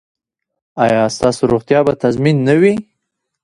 ایا ستاسو روغتیا به تضمین نه وي؟